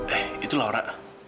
eh itu laura